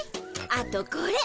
あとこれ。